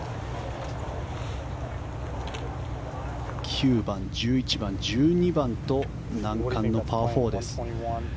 ９番、１１番、１２番と難関のパー４です。